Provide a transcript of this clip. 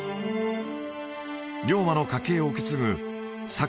龍馬の家系を受け継ぐ坂